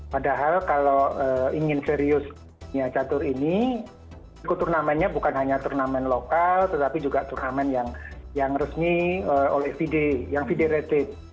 padahal kalau ingin serius pecatur ini ikuturnamennya bukan hanya turnamen lokal tetapi juga turnamen yang resmi oleh fide yang fide rated